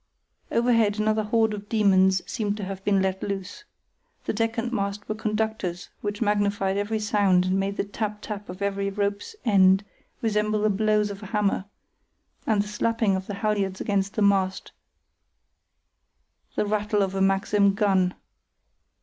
Overhead another horde of demons seemed to have been let loose. The deck and mast were conductors which magnified every sound and made the tap tap of every rope's end resemble the blows of a hammer, and the slapping of the halyards against the mast the rattle of a Maxim gun.